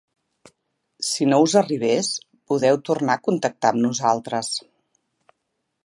Si no us arribés, podeu tornar a contactar amb nosaltres.